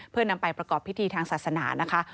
เพื่อนำไปประกอบพิธีทางศาสนานะคะ